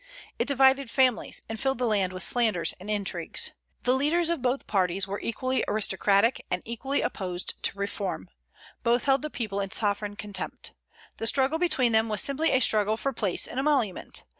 It divided families, and filled the land with slanders and intrigues. The leaders of both parties were equally aristocratic and equally opposed to reform; both held the people in sovereign contempt. The struggle between them was simply a struggle for place and emolument.